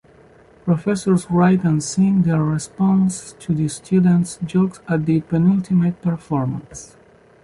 Professors write and sing their response to the students' jokes at the penultimate performance.